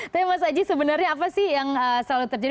tapi mas aji sebenarnya apa sih yang selalu terjadi